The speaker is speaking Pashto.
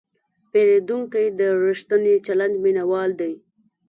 پیرودونکی د ریښتیني چلند مینهوال دی.